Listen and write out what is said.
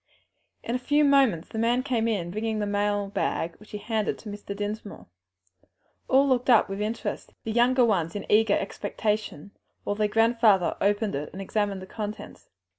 In a few moments the man came in bringing the mail bag, which he handed to Mr. Dinsmore. All looked on with interest, the younger ones in eager expectation, while their grandfather opened it and examined the contents.